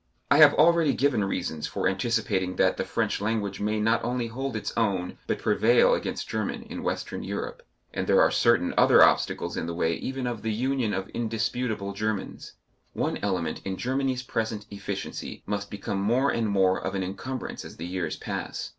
I have already given reasons for anticipating that the French language may not only hold its own, but prevail against German in Western Europe. And there are certain other obstacles in the way even of the union of indisputable Germans. One element in Germany's present efficiency must become more and more of an encumbrance as the years pass.